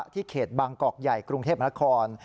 ที่เขตบางกอกใหญ่กรุงเทพมหลักฮร